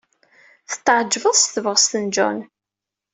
Tetɛejjeb s tebɣest n John.